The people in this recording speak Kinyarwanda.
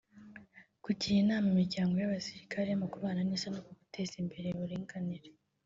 kugira inama imiryango y’abasirikare mu kubana neza no ku guteza imbere uburinganire